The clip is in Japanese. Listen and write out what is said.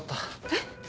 え！？